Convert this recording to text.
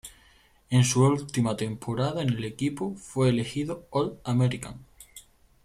En su última temporada en el equipo fue elegido All-American.